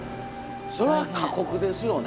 そら過酷ですよね。